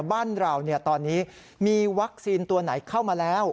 บ้านเราตอนนี้มีวัคซีนตัวไหนเข้ามาแล้ว